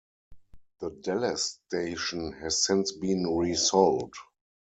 The Dallas station has since been resold.